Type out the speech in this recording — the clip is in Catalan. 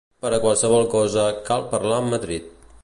Per a qualsevol cosa, cal parlar amb Madrid